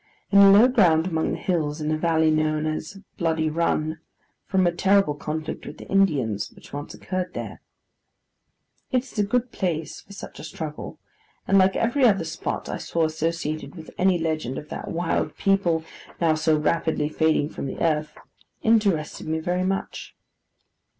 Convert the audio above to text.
In a low ground among the hills, is a valley known as 'Bloody Run,' from a terrible conflict with the Indians which once occurred there. It is a good place for such a struggle, and, like every other spot I saw associated with any legend of that wild people now so rapidly fading from the earth, interested me very much.